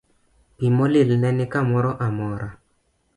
Pi molil ne ni kamoro amora.